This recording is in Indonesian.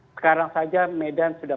sekarang saja medan sudah